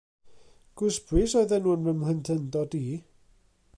Gwsbris oedden nhw yn fy mhlentyndod i.